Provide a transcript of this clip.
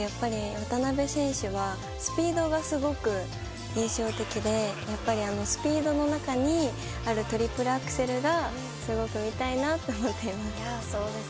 渡辺選手はスピードがすごく印象的でスピードの中にあるトリプルアクセルがすごく見たいなと思っています。